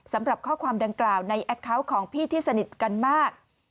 สำหรับข้อความดังกล่าวในแอคเคาน์ของพี่ที่สนิทกันมาก